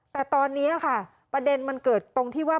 แต่ตอนนี้ค่ะประเด็นมันเกิดตรงที่ว่า